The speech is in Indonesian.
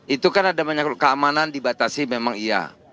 itu kan ada menyangkut keamanan dibatasi memang iya